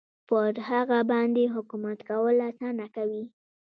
پر هغه باندې حکومت کول اسانه کوي.